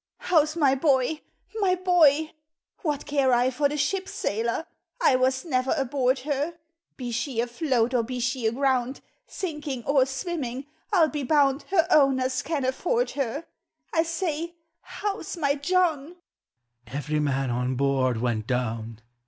u How 's my boy in v bo\ ? What care I for the ship. Bailor? 1 was Dever aboard her. Be she atloat or be she aground, Sinking or Bwimming, I 'II be bound Her owners can afford her! I say, how 's my John ?"" Every man on board went down.